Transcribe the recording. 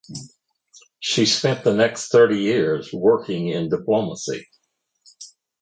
She spent the next thirty years working in diplomacy.